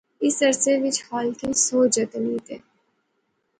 اس عرصے وچ خالقیں سو جتن کیتے